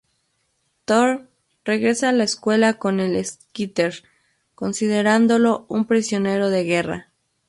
Tom regresa a la escuela con el "Skitter" considerándolo un "prisionero de guerra".